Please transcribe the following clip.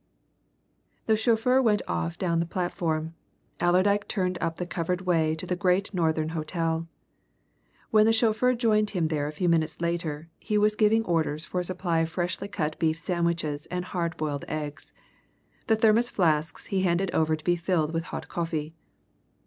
The chauffeur went off down the platform. Allerdyke turned up the covered way to the Great Northern Hotel. When the chauffeur joined him there a few minutes later he was giving orders for a supply of freshly cut beef sandwiches and hard boiled eggs; the Thermos flasks he handed over to be filled with hot coffee.